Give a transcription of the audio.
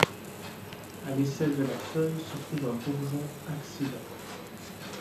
À l'aisselle de la feuille se trouve un bourgeon axillaire.